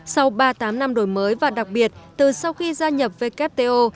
sau ba mươi tám năm đổi mới và đặc biệt từ sau khi gia nhập wto